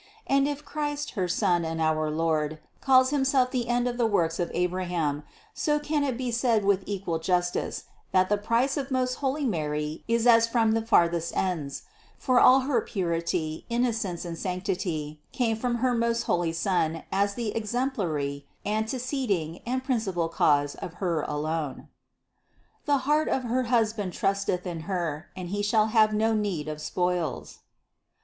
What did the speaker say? And if Christ, her Son and our Lord, calls Himself the end of the works of Abraham, so can it be said with equal justice, that the price of most holy Mary is as from the farthest ends; for all her purity, inno cence and sanctity came from her most holy Son as the exemplary, anteceding and principal cause of Her alone. 775. "The heart of her husband trusteth in Her, and he shall have no need of spoils."